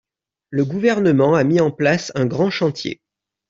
Le Gouvernement a mis en place un grand chantier.